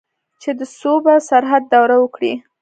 چې د صوبه سرحد دوره وکړي.